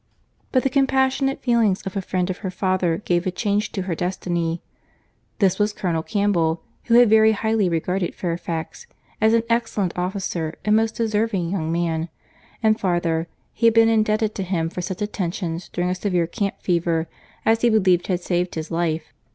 But the compassionate feelings of a friend of her father gave a change to her destiny. This was Colonel Campbell, who had very highly regarded Fairfax, as an excellent officer and most deserving young man; and farther, had been indebted to him for such attentions, during a severe camp fever, as he believed had saved his life.